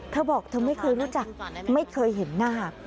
เธอบอกเธอไม่เคยรู้จักไม่เคยเห็นหน้า